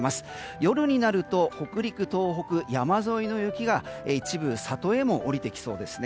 夜になると北陸や東北山沿いの雪が一部里へも降りてきそうですね。